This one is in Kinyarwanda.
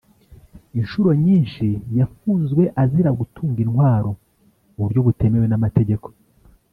Inshuro nyinshi yafunzwe azira gutunga intwaro mu buryo butemewe n’amategeko